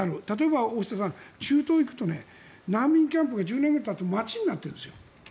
例えば、大下さん中東に行くと難民キャンプが１０年たって街になっているんです。